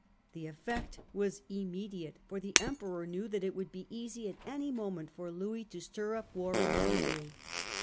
The effect was immediate, for the Emperor knew that it would be easy at any moment for Louis to stir up war in Hungary.